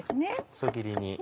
細切りに。